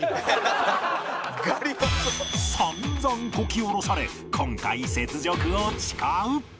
散々こき下ろされ今回雪辱を誓う